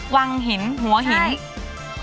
วังหินหัวหิน